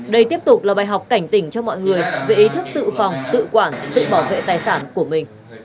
đây tiếp tục là bài học cảnh tỉnh cho mọi người về ý thức tự phòng tự quản tự bảo vệ tài sản của mình